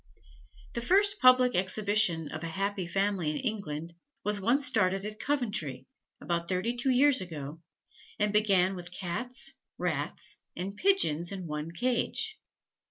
The first public exhibition of a "happy family" in England, was one started at Coventry, about thirty two years ago, and began with Cats, Rats, and Pigeons in one cage.